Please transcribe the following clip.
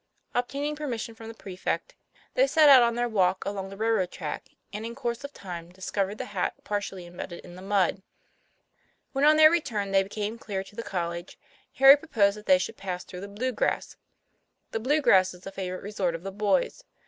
Obtaining permission from the prefect, they set out on their walk along the railroad track, and in course of time discovered the hat partially embedded in the mud. When on their return they came near the college, Harry proposed that they should pass through the "Blue grass." The "Blue grass" is a favorite resort of the boys.